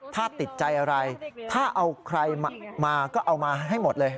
ถ้าติดใจอะไรถ้าเอาใครมาก็เอามาให้หมดเลย